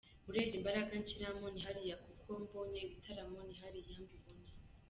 Urebye imbaraga nshyiramo ni hariya kuko mbonye ibitaramo, ni hariya mbibona.